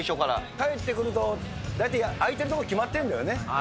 帰ってくると、大体開いてる所が決まってるんだよね。